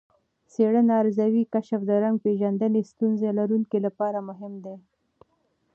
څېړنه ارزوي، کشف د رنګ پېژندنې ستونزه لرونکو لپاره مهم دی.